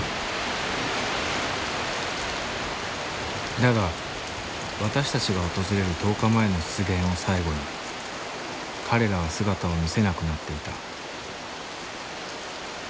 だが私たちが訪れる１０日前の出現を最後に彼らは姿を見せなくなっていた。